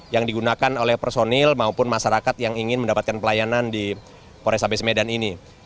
yang digunakan oleh personil maupun masyarakat yang ingin mendapatkan pelayanan di polres abes medan ini